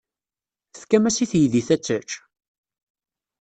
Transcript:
Tefkam-as i teydit ad tečč?